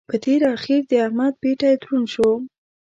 په تېره اخېر د احمد پېټی دروند شو.